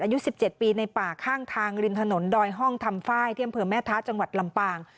อายุ๑๗ปีในป่าข้างทางริมถนนดอยห้องทำไฟล์ที่อำเภอแม่ท้าจังหวัดลำปาง